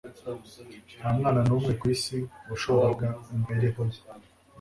Nta mwana n'umwe ku isi washobora imibereho ye